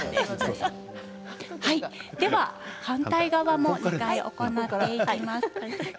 反対側も行っていきます。